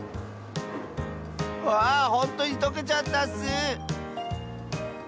わあほんとにとけちゃったッス！